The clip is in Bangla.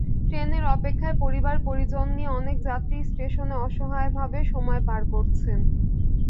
ট্রেনের অপেক্ষায় পরিবার-পরিজন নিয়ে অনেক যাত্রী স্টেশনে অসহায়ভাবে সময় পার করছেন।